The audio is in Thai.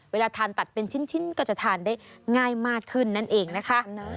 เวลาทานตัดเป็นชิ้นก็จะทานได้ง่ายมากขึ้นนั่นเองนะคะ